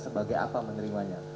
sebagai apa menerimanya